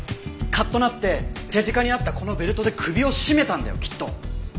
カッとなって手近にあったこのベルトで首を絞めたんだよきっと。